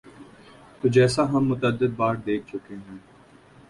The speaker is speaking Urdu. تو جیسا ہم متعدد بار دیکھ چکے ہیں۔